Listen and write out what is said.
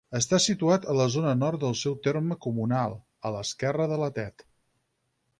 Està situat a la zona nord del seu terme comunal, a l'esquerra de la Tet.